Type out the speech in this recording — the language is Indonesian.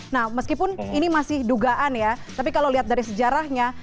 nah meskipun ini masih dugaan ya tapi kalau lihat dari sejarahnya